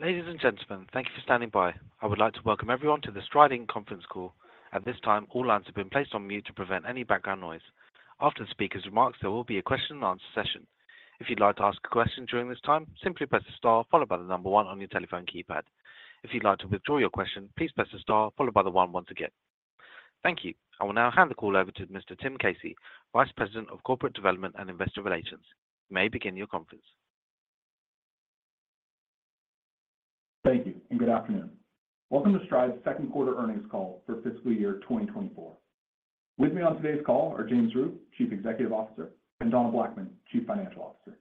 Ladies and gentlemen, thank you for standing by. I would like to welcome everyone to the Stride, Inc. conference call. At this time, all lines have been placed on mute to prevent any background noise. After the speaker's remarks, there will be a question and answer session. If you'd like to ask a question during this time, simply press star followed by the number one on your telephone keypad. If you'd like to withdraw your question, please press star followed by the one once again. Thank you. I will now hand the call over to Mr. Tim Casey, Vice President of Corporate Development and Investor Relations. You may begin your conference. Thank you and good afternoon. Welcome to Stride's second quarter earnings call for fiscal year 2024. With me on today's call are James Rhyu, Chief Executive Officer, and Donna Blackman, Chief Financial Officer.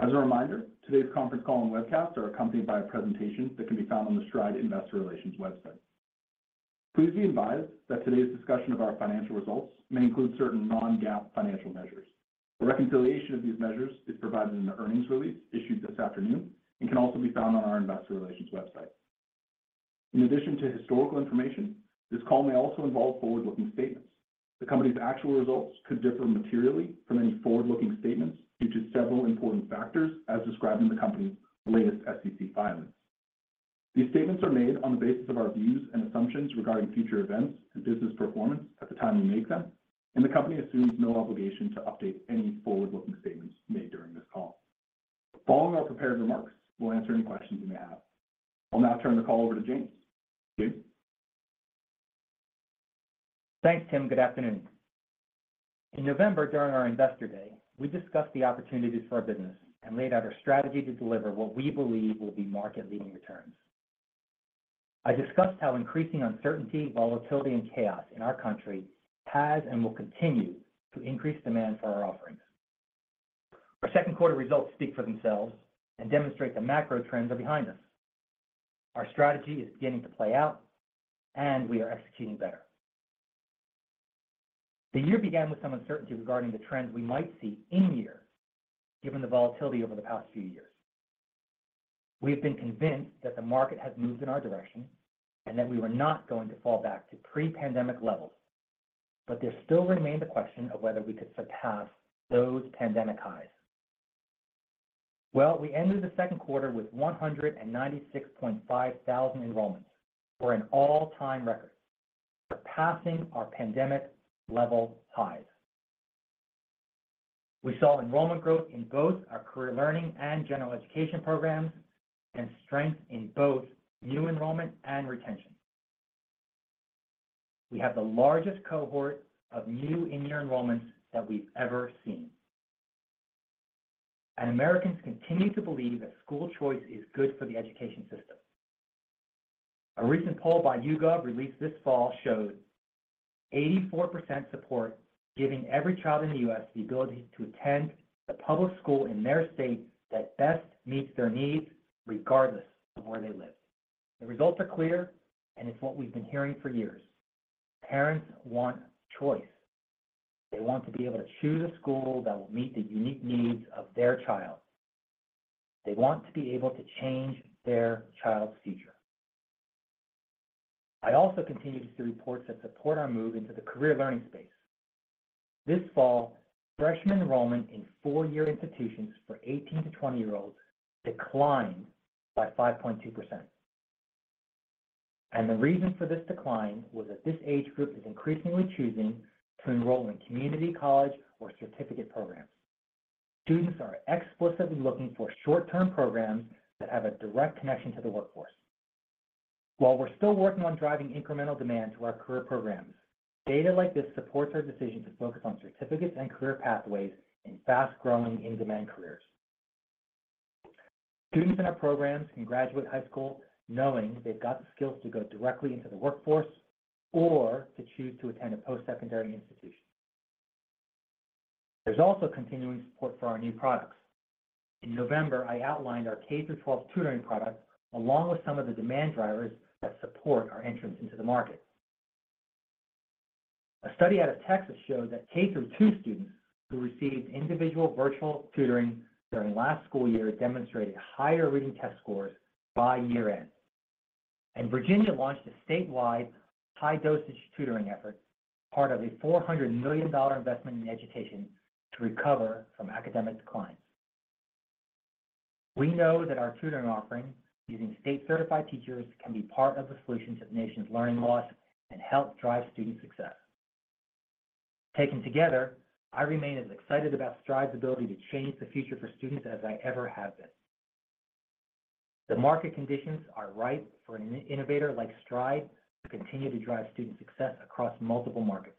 As a reminder, today's conference call and webcast are accompanied by a presentation that can be found on the Stride Investor Relations website. Please be advised that today's discussion of our financial results may include certain non-GAAP financial measures. A reconciliation of these measures is provided in the earnings release issued this afternoon and can also be found on our investor relations website. In addition to historical information, this call may also involve forward-looking statements. The company's actual results could differ materially from any forward-looking statements due to several important factors as described in the company's latest SEC filings. These statements are made on the basis of our views and assumptions regarding future events and business performance at the time we make them, and the company assumes no obligation to update any forward-looking statements made during this call. Following our prepared remarks, we'll answer any questions you may have. I'll now turn the call over to James. James? Thanks, Tim. Good afternoon. In November, during our Investor Day, we discussed the opportunities for our business and laid out our strategy to deliver what we believe will be market-leading returns. I discussed how increasing uncertainty, volatility, and chaos in our country has and will continue to increase demand for our offerings. Our second quarter results speak for themselves and demonstrate the macro trends are behind us. Our strategy is beginning to play out, and we are executing better. The year began with some uncertainty regarding the trends we might see in the year, given the volatility over the past few years. We've been convinced that the market has moved in our direction and that we were not going to fall back to pre-pandemic levels, but there still remained the question of whether we could surpass those pandemic highs. Well, we ended the second quarter with 196,500 enrollments. We're an all-time record for passing our pandemic level highs. We saw enrollment growth in both our Career Learning and General Education programs, and strength in both new enrollment and retention. We have the largest cohort of new in-year enrollments that we've ever seen. Americans continue to believe that school choice is good for the education system. A recent poll by YouGov, released this fall, showed 84% support, giving every child in the U.S. the ability to attend the public school in their state that best meets their needs, regardless of where they live. The results are clear, and it's what we've been hearing for years. Parents want choice. They want to be able to choose a school that will meet the unique needs of their child. They want to be able to change their child's future. I also continue to see reports that support our move into the Career Learning space. This fall, freshman enrollment in four-year institutions for 18-20 year-olds declined by 5.2%, and the reason for this decline was that this age group is increasingly choosing to enroll in community college or certificate programs. Students are explicitly looking for short-term programs that have a direct connection to the workforce. While we're still working on driving incremental demand to our career programs, data like this supports our decision to focus on certificates and career pathways in fast-growing, in-demand careers. Students in our programs can graduate high school knowing they've got the skills to go directly into the workforce or to choose to attend a post-secondary institution. There's also continuing support for our new products. In November, I outlined our K-12 tutoring product, along with some of the demand drivers that support our entrance into the market. A study out of Texas showed that K-2 students who received individual virtual tutoring during last school year demonstrated higher reading test scores by year-end. Virginia launched a statewide high-dosage tutoring effort, part of a $400 million investment in education to recover from academic decline. We know that our tutoring offerings, using state-certified teachers, can be part of the solution to the nation's learning loss and help drive student success. Taken together, I remain as excited about Stride's ability to change the future for students as I ever have been. The market conditions are ripe for an innovator like Stride to continue to drive student success across multiple markets.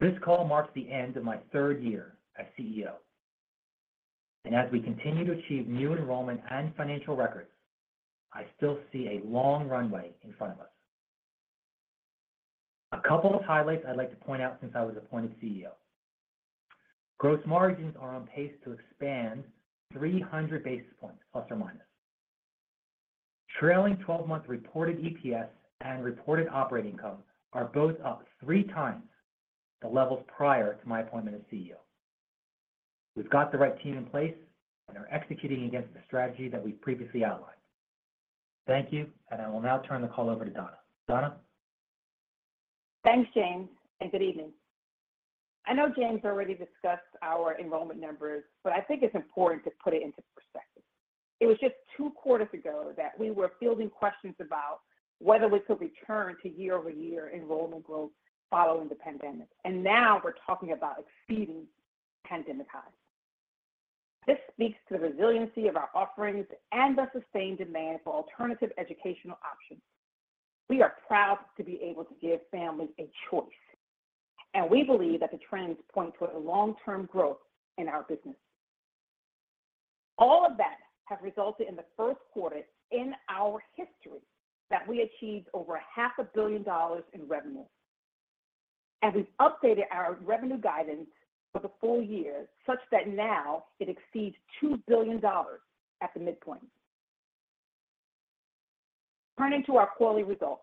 This call marks the end of my third year as CEO, and as we continue to achieve new enrollment and financial records, I still see a long runway in front of us. A couple of highlights I'd like to point out since I was appointed CEO. Gross margins are on pace to expand ±300 basis points. Trailing twelve month reported EPS and reported operating income are both up 3x the levels prior to my appointment as CEO. We've got the right team in place and are executing against the strategy that we've previously outlined. Thank you, and I will now turn the call over to Donna. Donna?... Thanks, James, and good evening. I know James already discussed our enrollment numbers, but I think it's important to put it into perspective. It was just two quarters ago that we were fielding questions about whether we could return to year-over-year enrollment growth following the pandemic, and now we're talking about exceeding pandemic highs. This speaks to the resiliency of our offerings and the sustained demand for alternative educational options. We are proud to be able to give families a choice, and we believe that the trends point toward a long-term growth in our business. All of that have resulted in the first quarter in our history that we achieved over $500 million in revenue, and we've updated our revenue guidance for the full year, such that now it exceeds $2 billion at the midpoint. Turning to our quarterly results,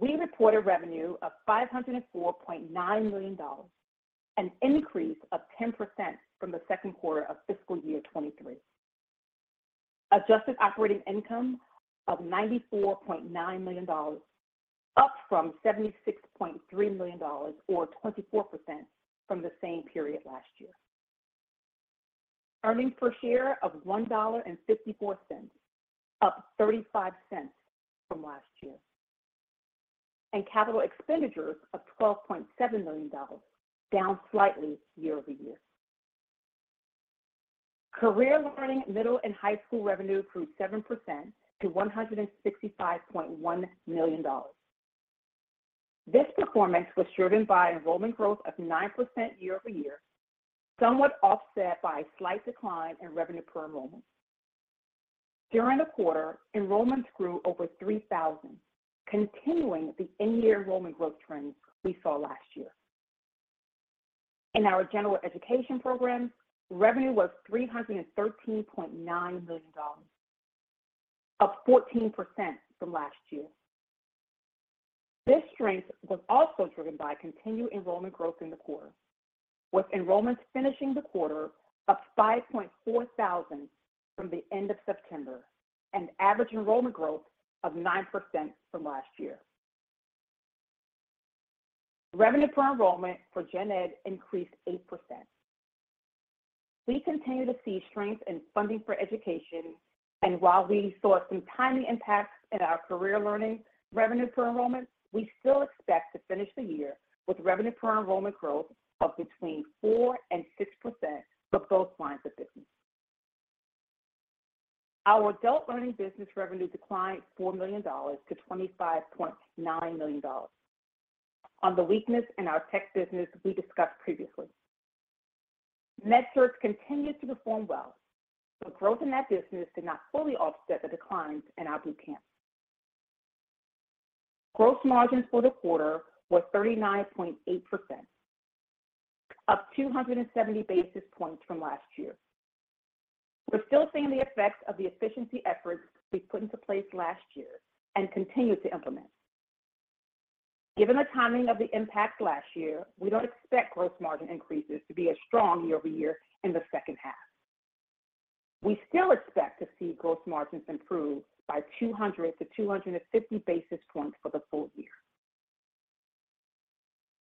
we reported revenue of $504.9 million, an increase of 10% from the second quarter of fiscal year 2023. Adjusted operating income of $94.9 million, up from $76.3 million or 24% from the same period last year. Earnings per share of $1.54, up $0.35 from last year, and capital expenditures of $12.7 million, down slightly year-over-year. Career Learning, middle, and high school revenue grew 7% to $165.1 million. This performance was driven by enrollment growth of 9% year-over-year, somewhat offset by a slight decline in revenue per enrollment. During the quarter, enrollments grew over 3,000, continuing the in-year enrollment growth trends we saw last year. In our General Education programs, revenue was $313.9 million, up 14% from last year. This strength was also driven by continued enrollment growth in the quarter, with enrollments finishing the quarter up 5,400 from the end of September and average enrollment growth of 9% from last year. Revenue per enrollment for gen ed increased 8%. We continue to see strength in funding for education, and while we saw some timing impacts in our Career Learning revenue per enrollment, we still expect to finish the year with revenue per enrollment growth of between 4% and 6% for both lines of business. Our Adult Learning business revenue declined $4 million-$25.9 million on the weakness in our tech business we discussed previously. MedCerts continued to perform well, but growth in that business did not fully offset the declines in our boot camp. Gross margins for the quarter were 39.8%, up 270 basis points from last year. We're still seeing the effects of the efficiency efforts we put into place last year and continue to implement. Given the timing of the impact last year, we don't expect gross margin increases to be as strong year-over-year in the second half. We still expect to see gross margins improve by 200-250 basis points for the full year.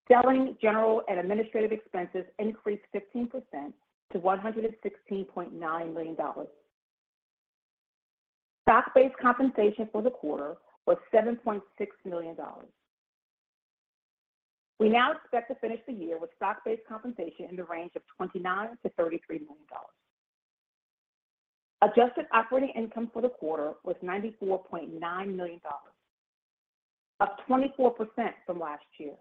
Selling, general and administrative expenses increased 15% to $116.9 million. Stock-based compensation for the quarter was $7.6 million. We now expect to finish the year with stock-based compensation in the range of $29 million-$33 million. Adjusted operating income for the quarter was $94.9 million, up 24% from last year.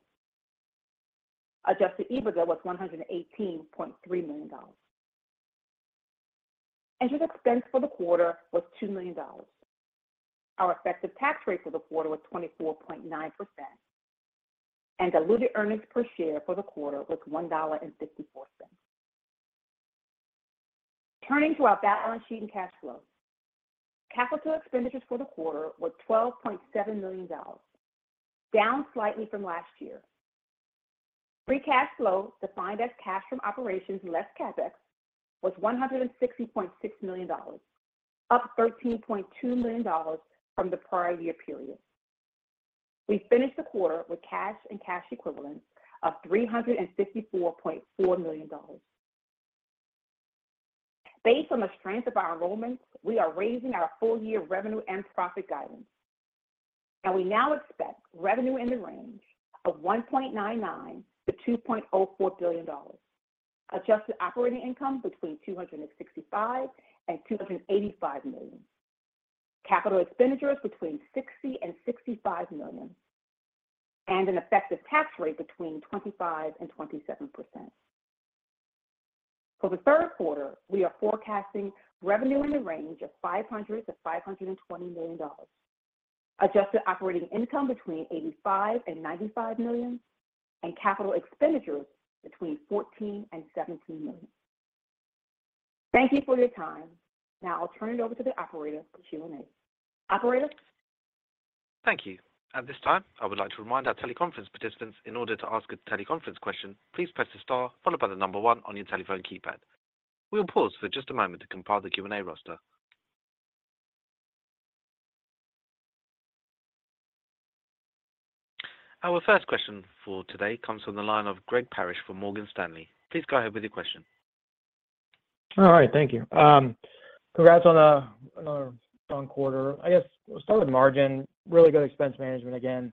Adjusted EBITDA was $118.3 million. Interest expense for the quarter was $2 million. Our effective tax rate for the quarter was 24.9%, and diluted earnings per share for the quarter was $1.54. Turning to our balance sheet and cash flows. Capital expenditures for the quarter were $12.7 million, down slightly from last year. Free cash flow, defined as cash from operations less CapEx, was $160.6 million, up $13.2 million from the prior year period. We finished the quarter with cash and cash equivalents of $354.4 million. Based on the strength of our enrollments, we are raising our full-year revenue and profit guidance, and we now expect revenue in the range of $1.99 billion-$2.04 billion, adjusted operating income between $265 million-$285 million, capital expenditures between $60 million-$65 million, and an effective tax rate between 25%-27%. For the third quarter, we are forecasting revenue in the range of $500 million-$520 million, adjusted operating income between $85 million-$95 million, and capital expenditures between $14 million-$17 million. Thank you for your time. Now I'll turn it over to the operator for Q&A. Operator? Thank you. At this time, I would like to remind our teleconference participants in order to ask a teleconference question, please press the star followed by the number one on your telephone keypad. We will pause for just a moment to compile the Q&A roster. Our first question for today comes from the line of Greg Parrish from Morgan Stanley. Please go ahead with your question. All right, thank you. Congrats on another strong quarter. I guess we'll start with margin. Really good expense management again.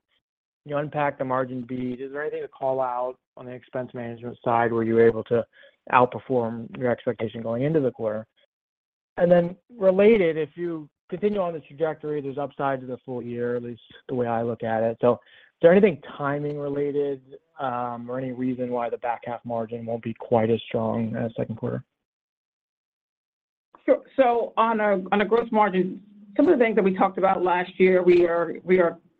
You unpacked the margin beat. Is there anything to call out on the expense management side? Were you able to outperform your expectation going into the quarter? And then related, if you continue on this trajectory, there's upsides of the full year, at least the way I look at it. So is there anything timing related, or any reason why the back half margin won't be quite as strong as second quarter? So on a gross margin, some of the things that we talked about last year, we are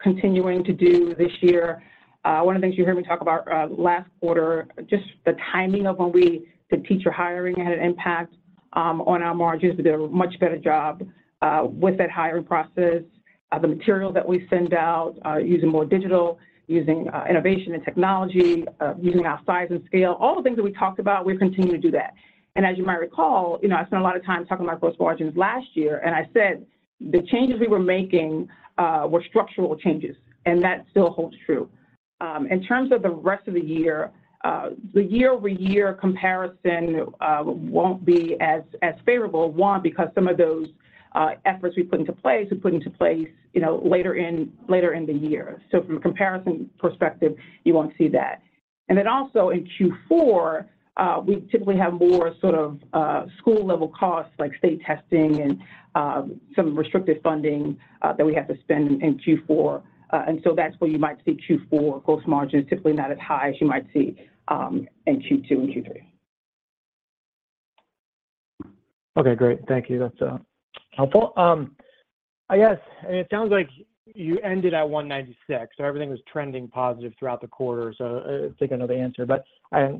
continuing to do this year. One of the things you heard me talk about last quarter, just the timing of the teacher hiring had an impact on our margins. We did a much better job with that hiring process. The material that we send out, using more digital, using innovation and technology, using our size and scale, all the things that we talked about, we're continuing to do that. And as you might recall, you know, I spent a lot of time talking about gross margins last year, and I said the changes we were making were structural changes, and that still holds true. In terms of the rest of the year, the year-over-year comparison won't be as favorable. One, because some of those efforts we put into place, you know, later in the year. So from a comparison perspective, you won't see that. And then also in Q4, we typically have more sort of school-level costs, like state testing and some restrictive funding that we have to spend in Q4. And so that's where you might see Q4 gross margins typically not as high as you might see in Q2 and Q3. Okay, great. Thank you. That's helpful. I guess, and it sounds like you ended at 196, so everything was trending positive throughout the quarter. So I take another answer, but I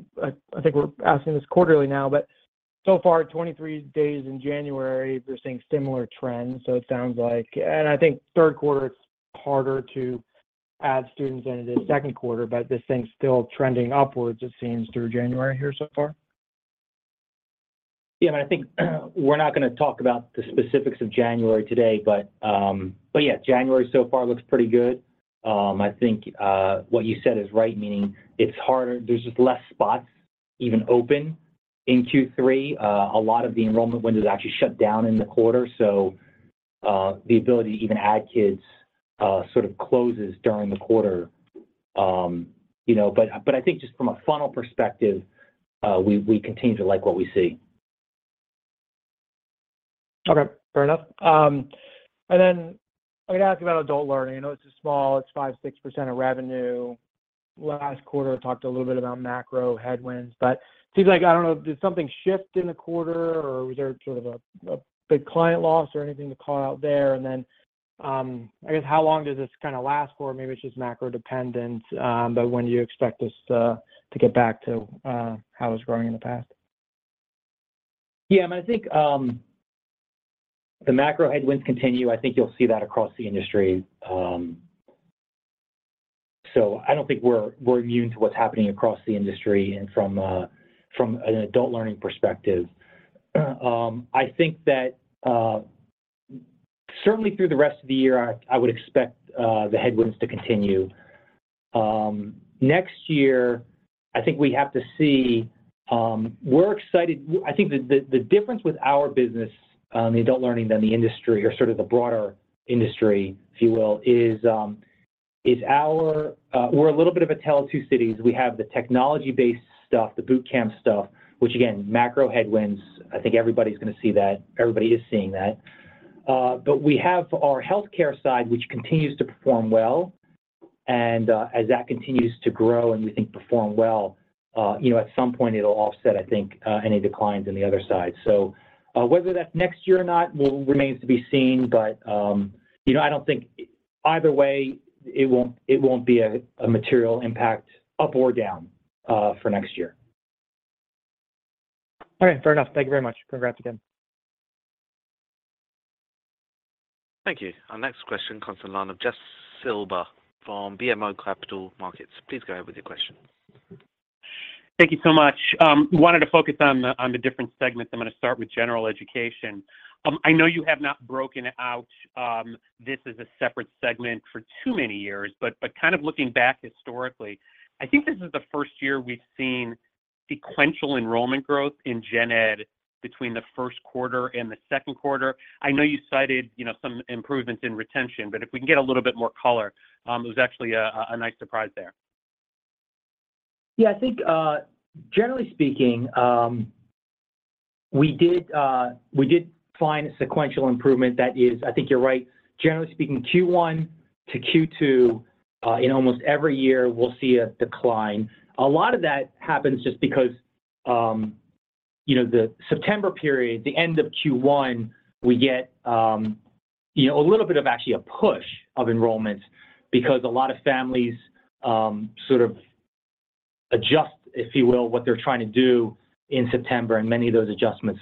think we're asking this quarterly now, but so far, 23 days in January, we're seeing similar trends. So it sounds like... And I think third quarter, it's harder to add students than it is second quarter, but this thing's still trending upwards, it seems, through January here so far. Yeah, and I think we're not gonna talk about the specifics of January today. But, but yeah, January so far looks pretty good. I think what you said is right, meaning it's harder. There's just less spots even open in Q3. A lot of the enrollment windows actually shut down in the quarter, so the ability to even add kids sort of closes during the quarter. You know, but, but I think just from a funnel perspective, we continue to like what we see. Okay, fair enough. And then I'm gonna ask you about Adult Learning. I know it's a small, it's 5%-6% of revenue. Last quarter, talked a little bit about macro headwinds, but seems like, I don't know, did something shift in the quarter, or was there sort of a big client loss or anything to call out there? And then, I guess, how long does this kind of last for? Maybe it's just macro dependent, but when do you expect this to get back to how it was growing in the past? Yeah, I mean, I think, the macro headwinds continue. I think you'll see that across the industry. So I don't think we're immune to what's happening across the industry and from an Adult Learning perspective. I think that, certainly through the rest of the year, I would expect the headwinds to continue. Next year, I think we have to see... We're excited. I think the difference with our business, in Adult Learning than the industry or sort of the broader industry, if you will, is our, we're a little bit of a tale of two cities. We have the technology-based stuff, the boot camp stuff, which again, macro headwinds, I think everybody's gonna see that. Everybody is seeing that. But we have our healthcare side, which continues to perform well, and as that continues to grow and we think perform well, you know, at some point it'll offset, I think, any declines on the other side. So, whether that's next year or not will remains to be seen, but, you know, I don't think either way, it won't, it won't be a, a material impact up or down, for next year. All right, fair enough. Thank you very much. Congrats again. Thank you. Our next question comes to the line of Jeff Silber from BMO Capital Markets. Please go ahead with your question. Thank you so much. Wanted to focus on the different segments. I'm gonna start with General Education. I know you have not broken out this as a separate segment for too many years, but kind of looking back historically, I think this is the first year we've seen sequential enrollment growth in Gen Ed between the first quarter and the second quarter. I know you cited, you know, some improvements in retention, but if we can get a little bit more color, it was actually a nice surprise there. Yeah, I think, generally speaking, we did find sequential improvement. That is, I think you're right. Generally speaking, Q1-Q2, in almost every year, we'll see a decline. A lot of that happens just because, you know, the September period, the end of Q1, we get, you know, a little bit of actually a push of enrollments because a lot of families, sort of adjust, if you will, what they're trying to do in September, and many of those adjustments,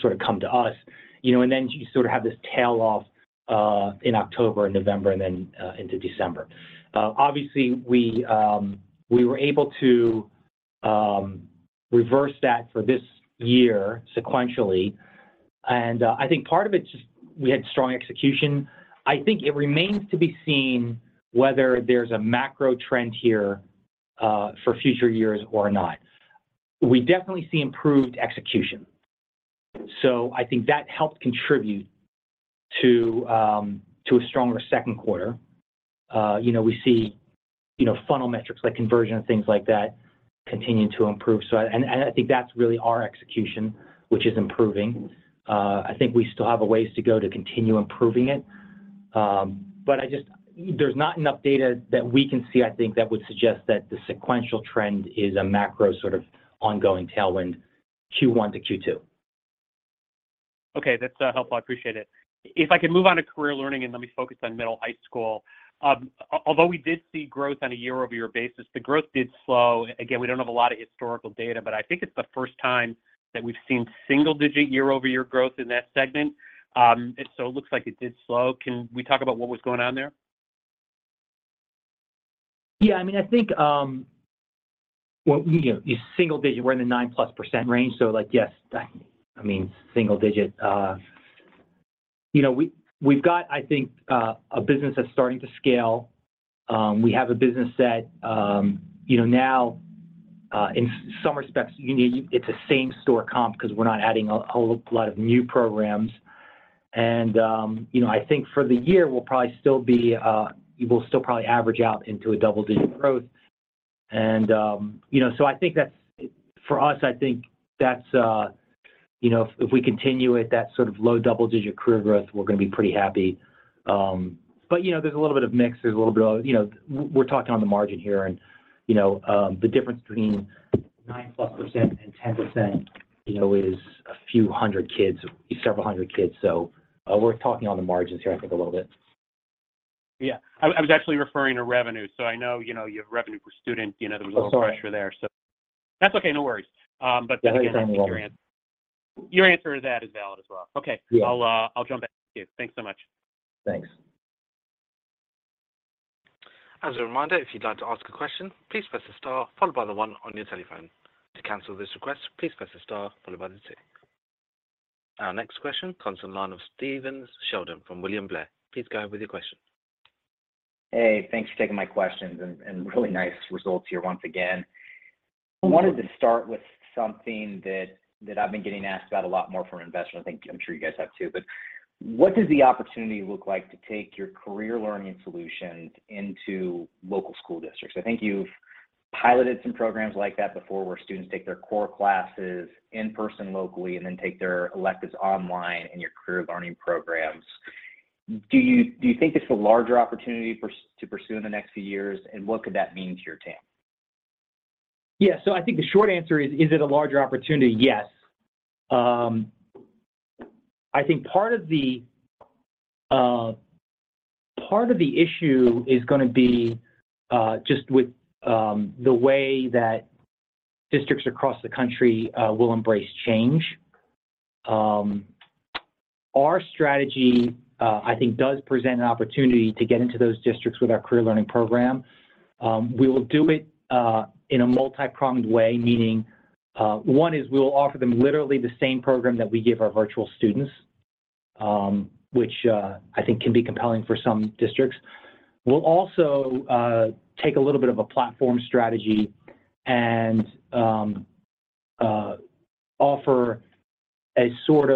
sort of come to us, you know. And then you sort of have this tail off, in October and November and then, into December. Obviously, we were able to reverse that for this year sequentially. And, I think part of it just we had strong execution. I think it remains to be seen whether there's a macro trend here for future years or not. We definitely see improved execution, so I think that helped contribute to a stronger second quarter. You know, we see funnel metrics like conversion and things like that continuing to improve. So I think that's really our execution, which is improving. I think we still have a ways to go to continue improving it. But I just... There's not enough data that we can see, I think, that would suggest that the sequential trend is a macro sort of ongoing tailwind, Q1 to Q2. Okay, that's helpful. I appreciate it. If I could move on to Career Learning and let me focus on middle high school. Although we did see growth on a year-over-year basis, the growth did slow. Again, we don't have a lot of historical data, but I think it's the first time that we've seen single digit year-over-year growth in that segment. And so it looks like it did slow. Can we talk about what was going on there? Yeah, I mean, I think, well, you know, you-- single digit, we're in the 9%+ range, so like, yes, I, I mean, single digit. You know, we, we've got, I think, a business that's starting to scale. We have a business that, you know, now, in some respects, you know, it's a same store comp because we're not adding a whole lot of new programs. And, you know, I think for the year, we'll probably still be... We'll still probably average out into a double-digit growth. And, you know, so I think that's, for us, I think that's, you know, if we continue at that sort of low double-digit career growth, we're gonna be pretty happy. But, you know, there's a little bit of mix. There's a little bit of, you know, we're talking on the margin here and, you know, the difference between 9%+ and 10%, you know, is a few hundred kids, several hundred kids. So, we're talking on the margins here, I think, a little bit. Yeah. I was actually referring to revenue, so I know, you know, your revenue per student, you know- Oh, sorry. There was a little pressure there, so... That's okay. No worries. But- Yeah, thanks anyway. Your answer to that is valid as well. Okay. Yeah. I'll, I'll jump back to you. Thanks so much. Thanks. As a reminder, if you'd like to ask a question, please press the star followed by the one on your telephone. To cancel this request, please press the star followed by the two. Our next question comes on the line of Stephen Sheldon from William Blair. Please go ahead with your question. Hey, thanks for taking my questions and really nice results here once again. Of course. I wanted to start with something that, that I've been getting asked about a lot more from investors. I think I'm sure you guys have, too. But what does the opportunity look like to take your Career Learning solutions into local school districts? I think you've piloted some programs like that before, where students take their core classes in person, locally, and then take their electives online in your Career Learning programs. Do you, do you think it's a larger opportunity for, to pursue in the next few years, and what could that mean to your team? Yeah. So I think the short answer is, is it a larger opportunity? Yes. I think part of the, part of the issue is gonna be, just with, the way that districts across the country, will embrace change. Our strategy, I think, does present an opportunity to get into those districts with our Career Learning program. We will do it, in a multipronged way, meaning, one is we will offer them literally the same program that we give our virtual students, which, I think can be compelling for some districts. We'll also, take a little bit of a platform strategy and, offer a sort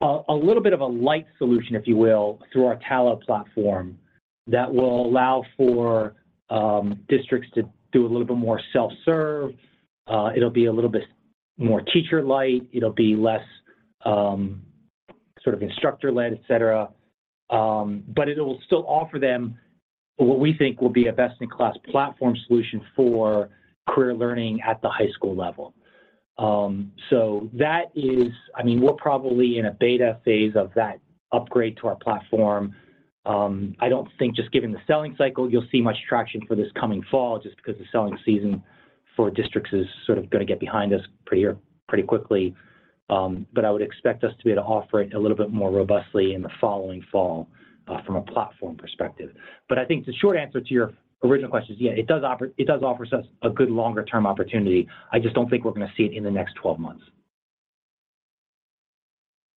of, a, a little bit of a light solution, if you will, through our talent platform that will allow for, districts to do a little bit more self-serve. It'll be a little bit more teacher-lite. It'll be less, sort of instructor-led, et cetera. But it will still offer them what we think will be a best-in-class platform solution for Career Learning at the high school level. So that is... I mean, we're probably in a beta phase of that upgrade to our platform. I don't think just given the selling cycle, you'll see much traction for this coming fall just because the selling season for districts is sort of going to get behind us pretty, pretty quickly. But I would expect us to be able to offer it a little bit more robustly in the following fall, from a platform perspective. But I think the short answer to your original question is, yeah, it does offer, it does offer us a good longer term opportunity. I just don't think we're going to see it in the next 12 months.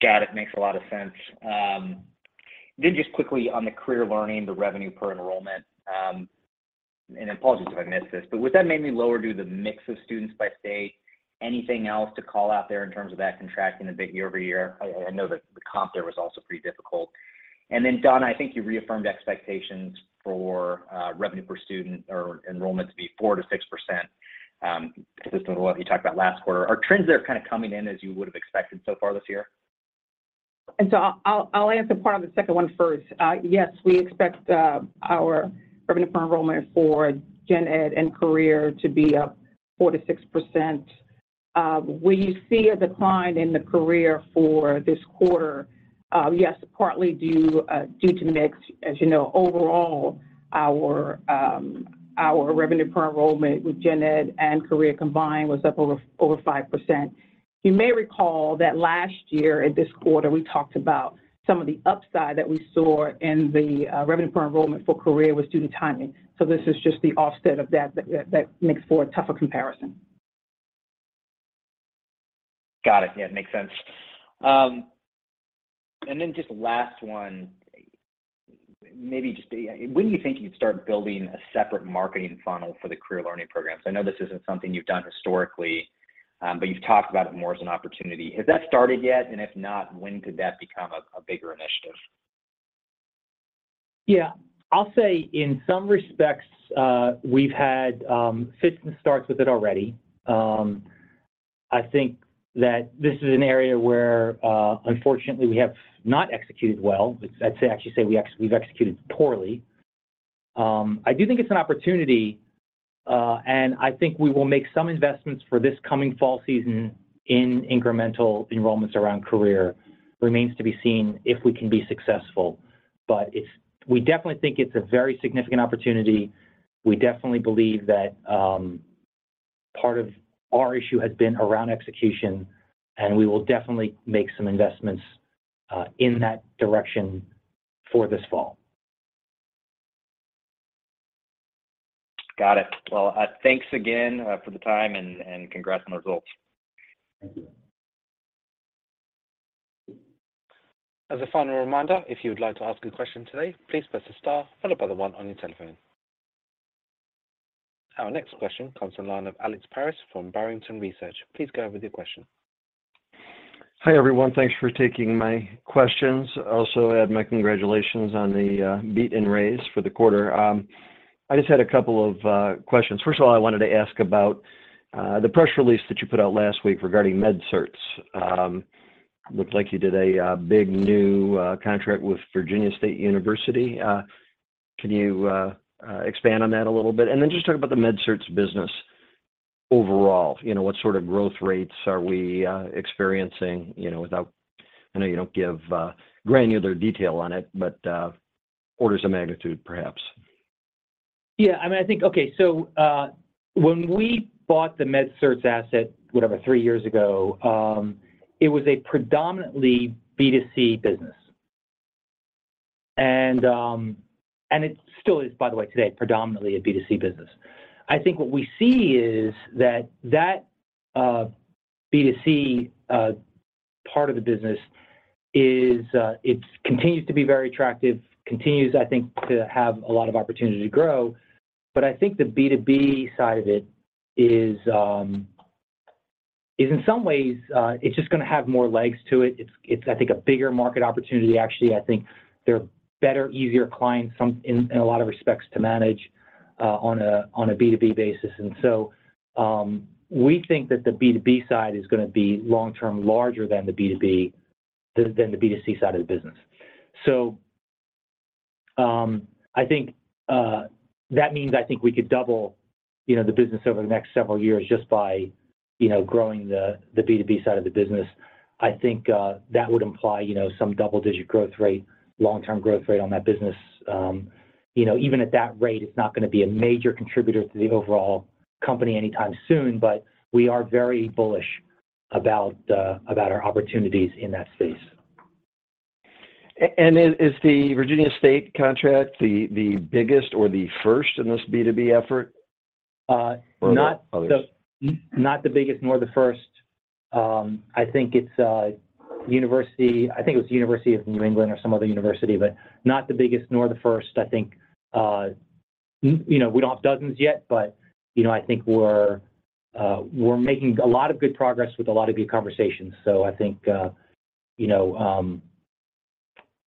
Got it. Makes a lot of sense. Then just quickly on the Career Learning, the revenue per enrollment, and apologies if I missed this, but would that mainly lower due to the mix of students by state? Anything else to call out there in terms of that contracting a bit year-over-year? I know that the comp there was also pretty difficult. And then, Donna, I think you reaffirmed expectations for revenue per student or enrollment to be 4%-6%, consistent with what you talked about last quarter. Are trends there kind of coming in as you would have expected so far this year? I'll answer part of the second one first. Yes, we expect our revenue per enrollment for Gen Ed and Career to be up 4%-6%. We see a decline in the career for this quarter, yes, partly due to mix. As you know, overall, our revenue per enrollment with Gen Ed and Career combined was up over 5%. You may recall that last year at this quarter, we talked about some of the upside that we saw in the revenue per enrollment for career was due to timing. This is just the offset of that makes for a tougher comparison.... Got it. Yeah, it makes sense. And then just last one, maybe just, when do you think you'd start building a separate marketing funnel for the Career Learning programs? I know this isn't something you've done historically, but you've talked about it more as an opportunity. Has that started yet? And if not, when could that become a bigger initiative? Yeah. I'll say in some respects, we've had fits and starts with it already. I think that this is an area where, unfortunately, we have not executed well. I'd say, actually say we've executed poorly. I do think it's an opportunity, and I think we will make some investments for this coming fall season in incremental enrollments around career. Remains to be seen if we can be successful, but it's, we definitely think it's a very significant opportunity. We definitely believe that, part of our issue has been around execution, and we will definitely make some investments, in that direction for this fall. Got it. Well, thanks again, for the time and congrats on the results. Thank you. As a final reminder, if you would like to ask a question today, please press the star followed by the one on your telephone. Our next question comes on the line of Alex Paris from Barrington Research. Please go ahead with your question. Hi, everyone. Thanks for taking my questions. Also, add my congratulations on the beat and raise for the quarter. I just had a couple of questions. First of all, I wanted to ask about the press release that you put out last week regarding MedCerts. Looked like you did a big new contract with Virginia State University. Can you expand on that a little bit? And then just talk about the MedCerts business overall. You know, what sort of growth rates are we experiencing, you know, without... I know you don't give granular detail on it, but orders of magnitude, perhaps. Yeah, I mean, I think... Okay. So, when we bought the MedCerts asset, whatever, three years ago, it was a predominantly B2C business. And it still is, by the way, today, predominantly a B2C business. I think what we see is that B2C part of the business is. It's continues to be very attractive, continues, I think, to have a lot of opportunity to grow. But I think the B2B side of it is in some ways. It's just gonna have more legs to it. It's, I think, a bigger market opportunity, actually. I think they're better, easier clients some in a lot of respects to manage, on a B2B basis. We think that the B2B side is gonna be long-term larger than the B2C side of the business. So, I think that means I think we could double, you know, the business over the next several years just by, you know, growing the B2B side of the business. I think that would imply, you know, some double-digit growth rate, long-term growth rate on that business. You know, even at that rate, it's not gonna be a major contributor to the overall company anytime soon, but we are very bullish about our opportunities in that space. And is the Virginia State contract the biggest or the first in this B2B effort? Uh, not- Or others? Not the biggest nor the first. I think it's university. I think it was University of New England or some other university, but not the biggest nor the first. I think, you know, we don't have dozens yet, but, you know, I think we're making a lot of good progress with a lot of good conversations. So I think, you know,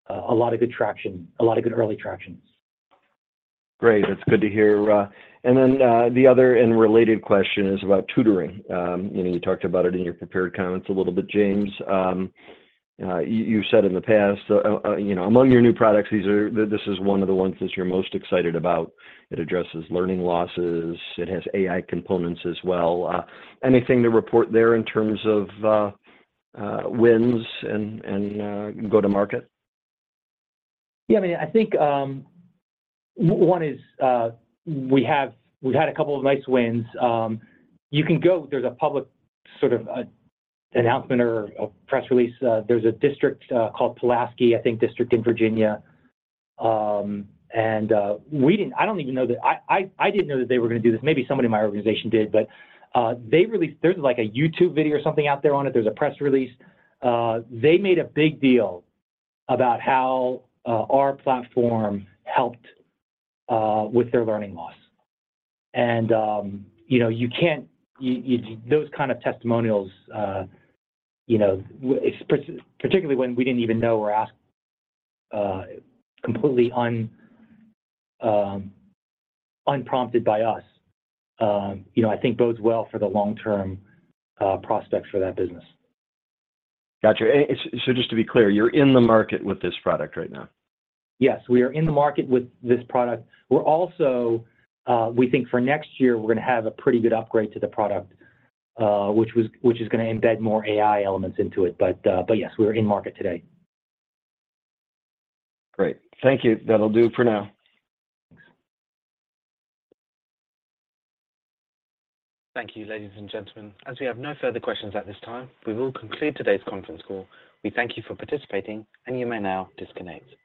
a lot of good traction, a lot of good early traction. Great. That's good to hear. And then, the other and related question is about tutoring. You know, you talked about it in your prepared comments a little bit, James. You've said in the past, you know, among your new products, these are, this is one of the ones that you're most excited about. It addresses learning losses. It has AI components as well. Anything to report there in terms of wins and go-to-market? Yeah, I mean, I think, one is, we have-- we've had a couple of nice wins. You can go... There's a public, sort of, announcement or a press release. There's a district called Pulaski, I think, district in Virginia. And, we didn't-- I don't even know that... I didn't know that they were gonna do this. Maybe somebody in my organization did, but, they released... There's, like, a YouTube video or something out there on it. There's a press release. They made a big deal about how our platform helped with their learning loss. And, you know, you can't... Those kind of testimonials, you know, particularly when we didn't even know or ask, completely unprompted by us, you know, I think bodes well for the long-term prospects for that business. Got you. So just to be clear, you're in the market with this product right now? Yes, we are in the market with this product. We're also. We think for next year, we're gonna have a pretty good upgrade to the product, which is gonna embed more AI elements into it. But, but yes, we're in market today. Great. Thank you. That'll do for now. Thanks. Thank you, ladies and gentlemen. As we have no further questions at this time, we will conclude today's conference call. We thank you for participating, and you may now disconnect.